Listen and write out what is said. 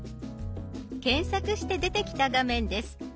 検索して出てきた画面です。